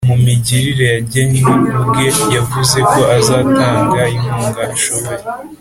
mu migirire yagennye ubwe yavuze ko azatanga inkunga ashoboye